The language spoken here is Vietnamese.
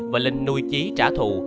và linh nuôi trí trả thù